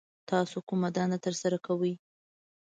تاسو کومه دنده ترسره کوي